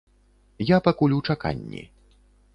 Я пакуль у чаканні.